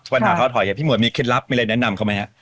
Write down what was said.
ปัญหาทอดหอยพี่หมวดมีเคล็ดลับมีอะไรแนะนำเขาไหมฮะ